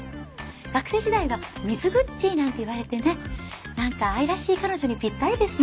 学生時代はミズグッチーなんて言われてね何か愛らしい彼女にぴったりですね。